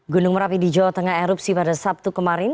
gunung merapi di jawa tengah erupsi pada sabtu kemarin